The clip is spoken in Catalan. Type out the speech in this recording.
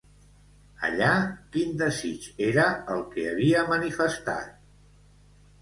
Allà, quin desig era el que havia manifestat?